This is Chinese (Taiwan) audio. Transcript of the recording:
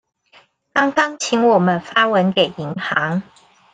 剛剛請我們發文給銀行